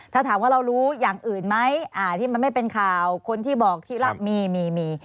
ถ้าถามว่าเรารู้อย่างอื่นไหมที่มันไม่เป็นข่าวคนที่บอกที่รักมีมี